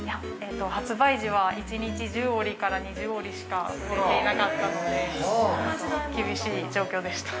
◆発売時は、１日１０折から２０折しか売れてなかったので、厳しい状況でした。